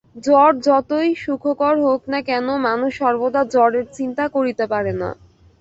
জড় যতই সুখকর হউক না কেন, মানুষ সর্বদা জড়ের চিন্তা করিতে পারে না।